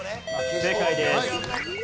正解です。